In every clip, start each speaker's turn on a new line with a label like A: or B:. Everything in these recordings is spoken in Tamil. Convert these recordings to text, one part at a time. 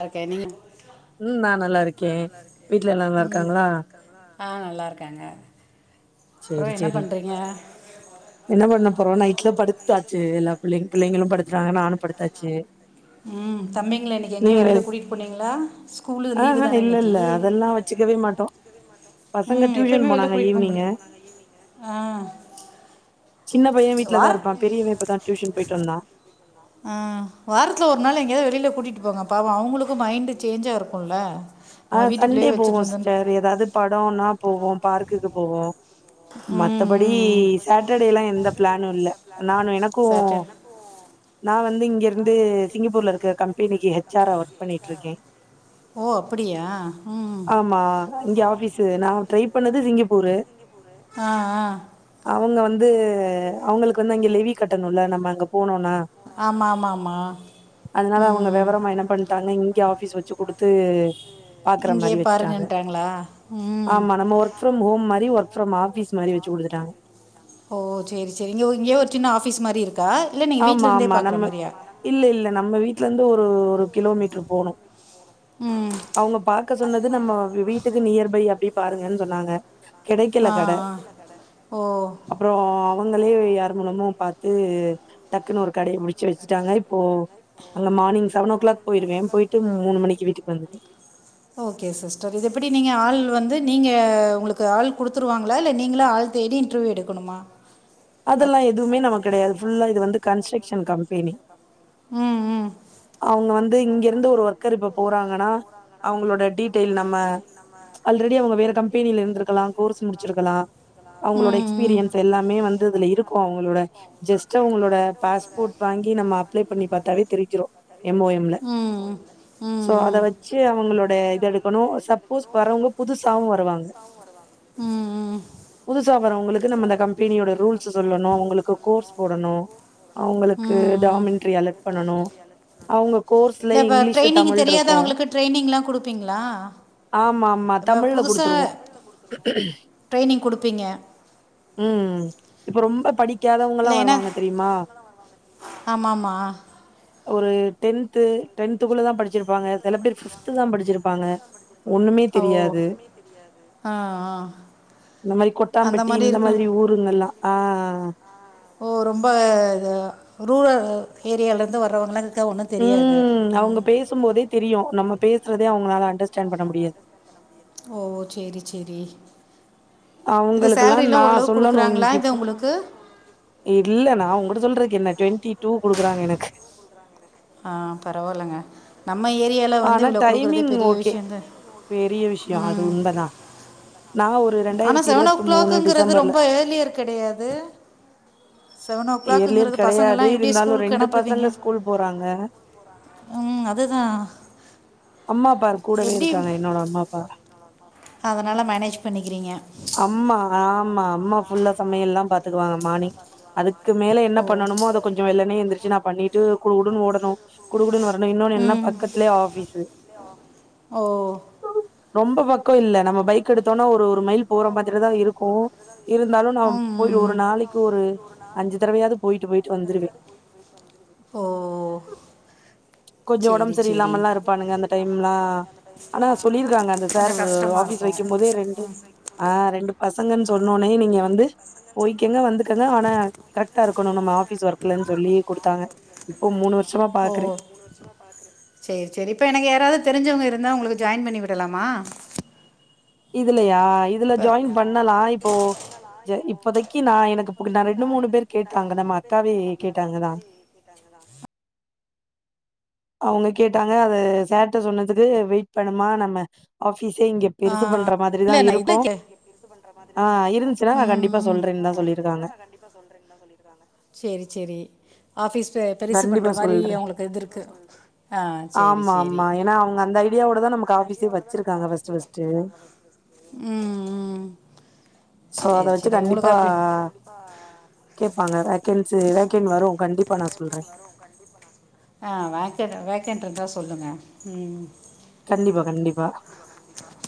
A: நான் சனியன்
B: உம் நான் நல்லா இருக்கேன் வீட்ல எல்லாம் நல்லா இருக்காங்களா
A: ஆ நல்லாருக்காங்க
B: செரி செரி என்ன பண்ண போறோம் நைட்ல படுத்தாச்சு எல்லா பிள்ளை பிள்ளைங்களும் படு ங்க நானும் படுத்தாச்சு
A: உம் தம்பிங்கள இன்னைக்கு எங்கேயும் வெளியில கூட்டிட்டு போனீங்களா ஸ்கூலு லீவு தானே இன்னைக்கு
B: பசங்க டியூஷன் போனாங்க ஈவினிங்கு
A: ஆஹ் வார ஆஹ் வாரத்துல ஒரு நாள் எங்கயாவது வெளியில கூட்டிட்டு போங்க பாவம் அவங்களுக்கும் மைண்டு சேஞ்சாக இருக்குல
B: ஆ சண்டே போவோம் சிஸ்டர் எதாவது படம்னா போவோம் பார்க்குக்கு போவோ மத்தபடி சாட்டர்டே எல்லாம் எந்த பிளானும் இல்ல நானும் எனக்கும் நான் வந்து இங் இருந்து சிங்கப்பூர்ல இருக்க கம்பெனிக்கு ஹெச் ஆரா வொர்க்
A: ஓ அப்ப
B: ஆமா இங்க ஆஃபீசு நா ட்ரை பண்ணது சிங்க ப்பூரு
A: ஆ ஆ
B: அவங்க வந்து அவங்களுக்கு வந்து அங்க லெவி கட்டணுல்ல நம்ம அங்க போனுனா அதனால அவங்க வெவரமா என்ன பண்ட்டாங்க இங்க ஆஃபி ஸ் வெச்சு குடுத்து பாக்கற மாரி வெச்சுட்டாங்க ஆமா நம்ம ஒர்க் ஃப்ரம் ஹோம் மாரி ஒர்க் ஃப்ரம் ஆஃபிஸ் மாரி வெச்சி குடுத்துட்டாங்க
A: ஓ செரி செரி இங்க இங்கயே ஒரு சின்ன ஆஃபிஸ் மாரி இருக்கா இல்ல நீங்க வீட்ல இருந்தே பாக்குற மாரியா
B: ஒரு ஒரு கிலோமீட்ரு போனு அவங்க பாக்க சொன்னது நம்ம வீட்டுக்கு நியர் பை அப்டி பாருங்கன் சொன்னாங்க கெடைக்கில கட அப்றோ அவங்களே யார் மூலமோ பாத்து டக்குனு ஒரு கடைய பிடிச்சு வெச்சுட்டாங்க இப்போ அங்க மார்னிங் செவன் ஓ கிளாக் போயிருவே போயிட்டு மூணு மணிக்கு வீட்டுக்கு வந்துருவே
A: ஓகே சிஸ்டர் இது எப்படி நீங்க ஆள் வந்து நீங்க உங்களுக்கு ஆள் குடுத்துருவாங்ளா இல்ல நீங்களா ஆள் தேடி இன்டர்வியூ எடுக்கணுமா
B: அதெல்லா எதுமே நமக்கு கெடயாது ஃபுல்லா இது வந்து கன்ஸ்ட்ரக்ட் க்ஷன் கம்பெனி
A: ம் ம்
B: இங்கிருந்து ஒரு ஒர்க்கர் இப்ப போறாங்கனா அவங்களோட டீடெயில் நம்ம ஆல்ரெடி அவங்க வேற கம்பெனியில இருந்ருக்கலா கோர்ஸ் முடிச்சிருக்கலா அவங்களோட எக்ஸ்பீரியன்ஸ் எல்லாமே வந்து இதுல இருக்கு அவங்களோட ஜஸ்ட் அவங்களோட பாஸ்போர்ட் வாங்கி நம்ம அப்ளை பண்ணி பாத்தாவே தெரிஞ்சிரு எம் ஓ எம் ல சோ அத வெச்சு அவங்களோட இத எடு க்கணு சப்போஸ் வரவங்க புதுசா வு வருவாங்க புதுசா வரவங்களுக் கு நம்ம இந்த கம்பெனி சொல்லணு அவங்களுக்கு கோர்ஸ் போடணு அவங்களுக்கு டாமெண்ட்ரி அலர்ட் பண்ணணு அவங்க கோர்ஸ்ல இங்கிலீஷ் தமிழ் இருக்கு ஆமா ஆமா தமிழ்ல குடுத்துருவோ ம் ம் இப்ப ரொம்ப படிக் காதவங்கலா வருவாங்க தெரிமா
A: ஆமாமா
B: ஒரு டென்த்து டென்துக்குள்ள தான் படிச்சிருப்பாங்க செல பேர் பிப்த் தா படிச்சிரு பாங்க ஒண்ணுமே தெரியாது இந்த மாரி கொட்டாம்பெட்டி இந்த மாதிரி ஊருங்கெல்லா ஆஹ்
A: ஓ ரொம்ப ரூரல் ஏரியால இருந்து வர்றவங்க த ஒண்ணு தெரியாது உம்
B: தெரியு நம்ம பேசுறதே அவ்ங்களால அண்டர்ஸ்டாண்ட் பண்ண முடியாது
A: ஓ சேரி சேரி
B: அவங்களுக்குகெல்லா நா சொல்லணு இங்க இல்ல நான் உங்கிட்ட சொல்றக்கு என்ன டுவெண்டி டு குடுக்குறாங்க எனக்கு
A: ஆஹ் பரவாயில்லங்க நம்
B: ஆனா டைமிங் ஓகே பெரிய விஷ்யோ அது உண்மதா
A: ஆனா செவனோ கிலார்க்கு றது ரொம்ப ஏர்லியர் கிடையாது செவனோ ஓ கிலாக்கங்கறது பசங்கல்லா எப்டியு ஸ்கூலுக்கு அனுப்புவீங்க உம் அதுதா
B: அம்மாப்பா கூடவே இருக்காங்க என்னோட அம்மாப்பா
A: அதனால மேனேஜ் பண்ணிக்கிறீங்க
B: க்குவாங்க மார்னிங் அதுக் அதுக்கு மேல என்ன பண்ணனமோ அத கொஞ்சோ வெள்ளனே எந்திரச்சு நா பண்ணிட்டு குடுகுடுன்னு ஓடணும் குடுகுடுன்னு வரணும் இன்னொன்னு என்ன பக்கத்தல ஆபீஸ்சு ரொம்ப பக்கோ இல்ல நம்ம பைக் எடுத்தோனா ஒரு ஒரு
A: ஓம் ஓ ஓ ஓ சேரி சேரி கொஞ்சோ கஷ்டமா யிருக்கு
B: ஆஹ் ரெண்டு பசங்கன்னு சொன்னோனே நீங்க வந்து போய்க்கங்க வந்து குங்க ஆனா கரெக்டா இருக்கணு நம்ம ஆபிஸ் ஒர்க்லன்னு சொல்லி கொடுத்தாங்க இப்போ மூணு வருஷமா பாக்குறேன்
A: சேரி சேரி இப்ப எனக்கு யாராவது தெரிஞ்சவங்க இருந்தா உங்களுக்கு ஜாயின் பண்ணி விடலாமா
B: இதுலயா இதுல ஜாயின் பண்ணலா இப்ப இப்போ ஜ இப்போதைக்கு நான் எனக்கு ரெண்டு மூணு பேர் கேட்டாங்க நம்ம அக்காவே கேட்டாங்கதான் அவ்ங்க கேட்டாங்க அத சார்ட சொன்னதுக்கு வெய்ட் பண்ணுமா நம்ம ஆபீஸிசே
A: ஆஹ இல்ல நா என்ன கேக் ம்ம் ம்ம் செரி செரி பெ பெரிசு பண்ற மாரி அவங்களுக்கு இது இருக்கு ஆஹர செரி செரி
B: சோ அத வச்சுட்டு கண்டிப்பா கேப்பாங்க வேக்கன்சி வேகன் வரு கண்டிப்பா நா சொல்
A: ஆ ஹா வேகண்ட் வேகண்ட்டு இருந்த சொல்லுங்க உம்
B: கண்டிப்பா கண்டிப்பா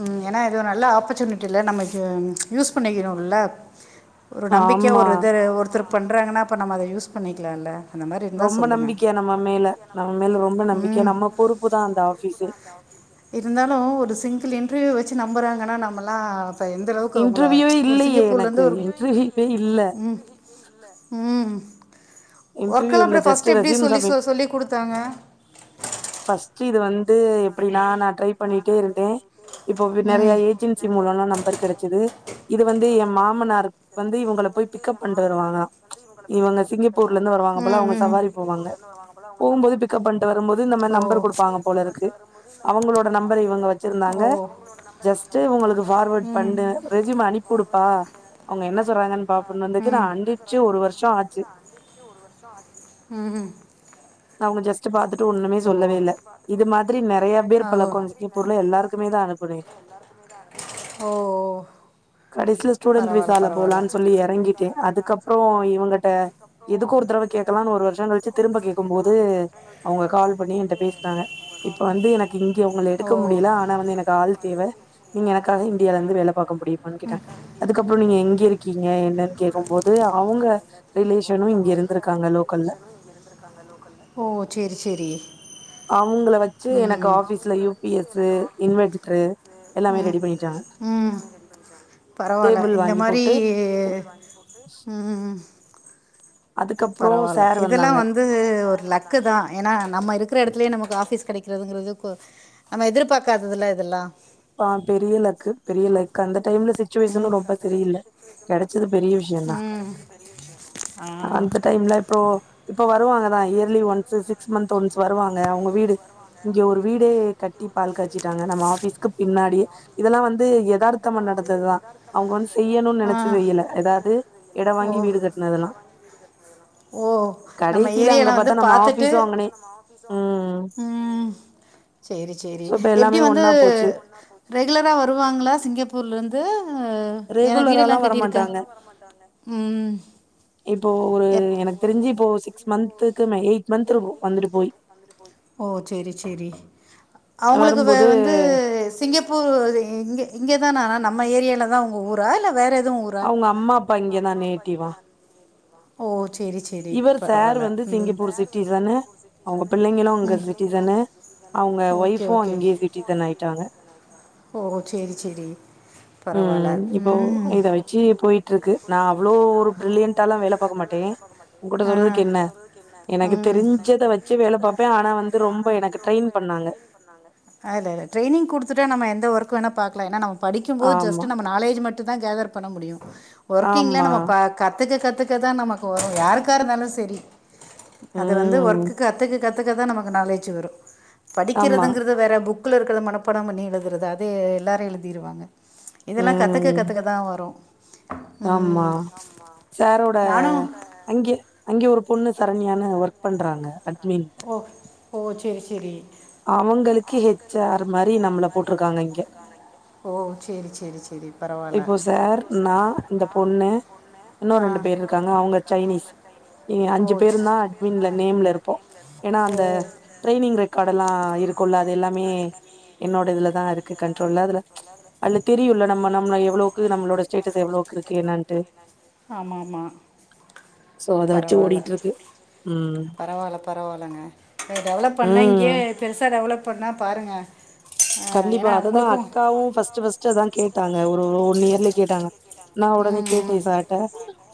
A: உம் ஏன்னா இது ஒரு நல்ல ஆப்பர்ச்சுனிட்டில்ல நம்மக்கு யூஸ் பண்ணிக்கணோம்ல ஒரு நம்பிக்கையா ஒரு இது ஒருத்தருக் பண்ணுறாங்காநாப்போ நம்ம அத யூஸ் பண்ணிக்கலாமல
B: ரொம்ப நம்பிக்க நம்ம மேல நம்ம மேல ரொம்ப நம்பிக்க நம்ம பொறுப்புதா அந்த ஆபிஸே
A: இன்டர்வியூ வச்சு நம்புறாங்கன்னா நம்மலா ப்ப எந்த அளவுக்கு அவங்கள ஒரு சிங்கப்பூர்ல இருந்து ஒரு ம் ம் ஒர்க்க எல்லா அப்பர பஸ்ட்டு எப்படி சொல்லி சொ சொல்லிக் குடுத்தாங்க
B: ஃபஸ்ட் இது வந்து எப்படினா நான் ட்ரை பண்ணிட்டே இருந்தே இப்போ நெறைய ஏஜென்சி மூலம்லா நம்பர் கெடைச்சது இது வந்து எம் மாமனார் வந்து இவங்கள போய் பிக்கப் பண்ணிட்டு வருவாங்கலா இவங்க சிங்கப்பூர்ல இருந்து வருவாங்க போல அவங்க சவாரி போவாங்க போகும்போது பிக்கப் பண்ட்டு வரும்போது இந்த மேரி நம்பர் கொடுப்பாங்க போலருக்கு அவங்களோட நம்பர் இவங்க வச்சிருந்தாங்க ஜெஸ்ட் அவங்களுக்கு பார்ட் பணனு ரெசும அனுப்பிவிடுப்பா அவங்க என்ன சொல்றாங்க
A: ம்ம்ம் என்ன சொல்றாங்கனு பாப்பொனு [inaudible] அணிக்கே ஒரு வருஷ ஆச்சு ம் ஓ ஆஹ் ஓ ஓஓ
B: ஸ்டூடெண்ட் விசால போலான்னு சொல்லி எறங்கிட்டே அதுக்கப்பற இவங்கட்ட எதுக்கோ ஒரு தரவ கேக்க்கலாம்னு ஒரு வருஷ கழிச்சு திரும்ப கேட்க போது அவங்க கால் பண்ணி என்ட்ட பேசிட்டாங்க இப்ப வந்து எனக்கு இங்கே அவங்கள எடுக்க முடியல ஆனா வந்து எனக்கு ஆள் தேவ நீங்க எனக்காக இந்தியால இருந்து வேலை பாக்க முடியுமனு கேட்டங்க அதுக்கப்பற நீங்க எங்க இருக்கீங்க என்னன்னு கேக்கு போது அவங்க ரிலேஷனு இங்க இருந்திருக்காங்க லோக்கல்ல
A: ஓ சேரி சேரி உம் அவங்கல வந்து எனக்கு ஆபீஸ்ல [inaudible] ம் ம் பரவல்ல இந்த மாரி உம் உம் ப்ப பரவால்ல இதெல்லா வந்து ஒரு லக்கு தா ஏன்னா நம்ம இருக்க இருக்கிற எடத்துலயே நமக்கு ஆபீஸ் கெடைக்கறிறதுங்கிறது நம்ம எதிர்பார்க்காததுல இதெல்லா ம் ம் ஆஹ்
B: டைம்ல இப்போ இப்ப வருவாங்கதா yearly once six month once வருவாங்க அவங்க வீடு இங்க ஒரு வீடே கட்டி பால் காய் வச்சிட்டாங்க நம்ம ஆபிஸ்க்குப் முன்னாடி இதெல்லா வந்து எத் எதார்த்தமா நடத்துதுதா அவங்க வந்து செய்யணும்னு நினைச்சு தெரியல அதாவது எடம் வாங்கி வீடு கட்னதுல்லா கடைசியில அங்க பார்த்தா நம்ம ஆபிஸு அங்கனே உஹ்ம் சோ இப்ப எல்லாமேஒன்னா போச்சு
A: ரெகுலராக வருவாங்களா சிங்க பூர்ல இருந்து
B: ரெகுலரால்லா வரமாட்டாங்க இப்போ ஒரு எனக்கு தெரிஞ்சு இப்போ சிக் சிக்ஸ் மந்த்துக்கு மே எயிட் மந்த் இருக்கு வந்துட்டு போய்
A: ஓ சேரி சேரி அவங்களுக்கு வந்து சிங்கப்பூர் இங்க இங்கதான நான நம்ம ஏரியாலில தா உங்க ஊரா இல்ல வேற
B: அவங்க அம்மா அப்பா இங்கதான் நேட்டிவா
A: ஓ
B: இவர் சார் வந்து சிங்கப்பூர் சிட்டிசன்னு அவங்க பிள்ளைங்க [unintelligible] அவங்க சிட்டிசனு அவங்க ஒய்ஃபு அங்கேயே சிட்டிசன் ஆயிட்டாங்க. உம் இப்ப இத வெச்சு போயிட்டு இருக்கு நா அவ்ளோ ஒரு பிரலியன்டால வேல பாக்க மாட்டே உன்கிட்ட சொல்றதுக்கு என்ன எனக்கு தெரிஞ்சத வெச்சு வேல பாப்பே
A: அத இல்ல ட்ரைனிங் கொடுத்துட்டா நம்ம எந்த ஒர்க் வேணா பாக்கலா எனா நமக் படிக்கும் போது ஜஸ்ட் நம்ம நாலேஜ் மட் டுதா கேதர் பண்ண முடியு ஒர்க்கீங்ளா நம்ம ப க கத்துக்க கத்துக்க தா நமக்கு வரு யாருக்கா இருந்தாலு செரி அது வந்து ஒர்க்கு கத்துக கத் கத்துக்க தா நமக்கு நாலேஜ் வரு படிக்கிறதுங்கறிறது வேற புக் புக்குக்குள்ளே இருக்கிறத மனப்பாடோ பண்ணி எழுதரது அதே எல்லாரு எழுதிருவாங்க இதெல்லா கத்துக்க கத்துக்கதா வரு
B: ஆமா சாரோட அங்கே அங்கே ஒரு பொண்ணு சரண்யானு ஒர்க் பண்றாங்க அ மின்
A: ஓ செரி செரி
B: அவங்களுக்கு எச் ஆர் மாரி ரி நம்மள போட்ருக்காங்க இங்க
A: ஓ சேரி சேரி சேரி
B: இப்போ சார் நா இந்த பொண்ணு இன்னு ரெண்டு பேரு இருக்காங்க அவுங்க சைனீஸ் நீ அஞ்சு பேருந்தா அட்மின்ல நேம்ல இருப்போ ஏன்னா அந்த ட்ரைனிங் ரெக்காடல்லா ஆ இருக்குள்ள அது எல்லாமே என்னோட இதுல தா இருக்கு கண்ட்ரோல்ல அதுல ம்ச் அதுல தெரியுல நம்ம நம்ம எவ்வுளோக்கு நம்ளோட ஸ்டேஸ் எவ்வுளோக்கிருக்கு என்னான்டு
A: ஆமாம்மா பரவால பரவால பரவாலங்க டெவலப் பண்ணா இங்கியே பெருசா டெவலப் பண்ணா பாருங்க
B: கண்டிபா அததா அக்காவு ஃபஸ்டு ஃபஸ்டு அதா கேட் டாங்க ஒரு ஒரு ஒன் இயர்ல கேட்டாங்க நா உடனே கேட்டே சார்ட்ட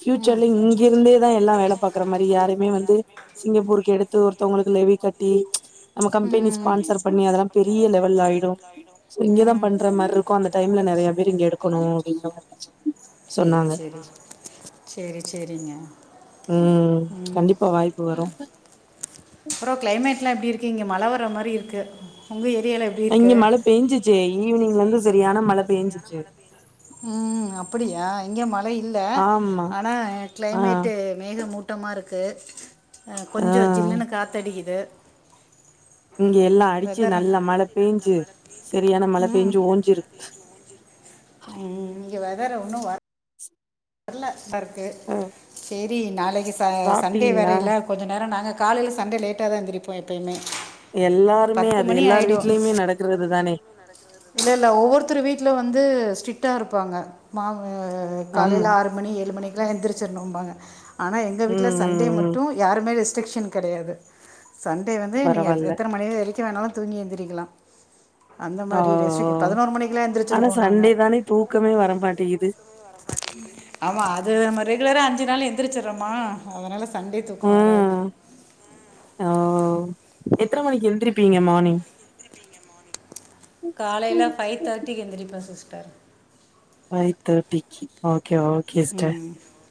B: ஃப்யூச்சர்ல இங்கிருந்தேதா எல்லா வேல பாக்கற மாரி யாரயுமே வந்து சிங்கப்பூருக்கு எடுத் த்து ஒருத்தோவ்ங்களுக்கு லெவி கட்டி நம்ம கம்பெனி ஸ்பான்சர் பண்ணி அதல்லா பெரிய லெவல்ல ஆய்ட்
A: ம் சேரி சேரி சேரி சேரிங்க
B: ம் கண்டிப்பா வாய்ப்பு வரு
A: அப்புறோ க்ளைமேட்லா எப்டிருக்கு இங்க மழ வ ர மாரி இருக்கு உங்க எ
B: இங்க மழ பேஞ்சுச்சே ஈவ்னிங் வந்து செரியான மழ பேஞ்சுச்சு
A: ம் அப்படியா இங்க மழ இல்ல ஆனா க்ளைமேட்டு மேகமூட் டமா இருக்கு அ கொஞ்சோ ஜில்லுனு காத்தடிக்குது
B: இங்க எல்லா அடிச்சு நல்ல மழ பேஞ்சு செரியான மழ பேஞ்சு ஓஞ்சுருக்குது
A: ம் இங்க வெதற ஒன்னு வர் ர்ல வர் கு சேத் இ நாளைக் ச சண்டே வேற இல்ல கொஞ்ச நேரோ நாங்க காலைல சண்டே லேட்டாதா எந்திரிப்போ எப்பயுமே பத்து மணி ஆய்டு இல்ல இல்ல ஒவ்வொருத்தரு வீட்ல வந்து ஸ்டி டா இருப்பாங்க மா
B: ஆம்
A: காலைல ஆறு மணி ஏழு மணிக்குலா எந்திரிச்சிரணும்பாக ஆனா எங்க வீட்ல சண்டே மட்டு யாருமே ரெஸ் ஸ்ட்ரிக்ஷன் கெடையாது சண்டே வந்து நீங்க எத் எத்தன மணி வரை க வேணாலு தூங்கி எந்திரிக்கலா
B: ஒ ஹோ ஆனா சண்டே தானே தூக்கமே வரமாட்டிகுது
A: ஆமா அது நம்ம ரெகுலரா அஞ்சு நாள் எந்திரிச்சறோமா அதனால சண்டே தூக்கோ வராது
B: எத்தன மணிக்கு எந்திரி ப்பிங்க மார்னிங்
A: காலைல ஃபைவ் தேர்ட்டிக்கு எந்திரிப்பே சிஸ்டர்
B: ஃபைவ் தேர்டிக்கு ஓ கே ஓகே சிஸ்டர்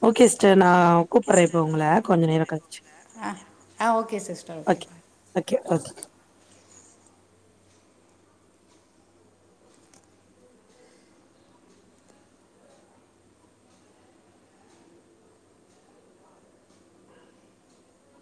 B: ஓகே நா கூப்பரே இப்ப உங்கள கொஞ்ச நேரம் கழிச்சு
A: ஆ ஆ okay sister okay
B: K okay